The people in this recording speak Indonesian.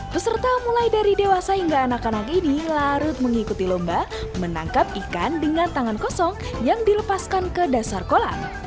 peserta mulai dari dewasa hingga anak anak ini larut mengikuti lomba menangkap ikan dengan tangan kosong yang dilepaskan ke dasar kolam